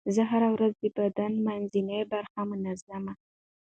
زه هره ورځ د بدن منځنۍ برخه مینځم.